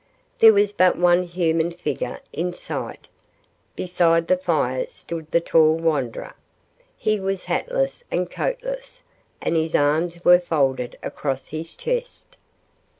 There was but one human figure in sight. Beside the fire stood the tall wanderer. He was hatless and coatless, and his arms were folded across his chest.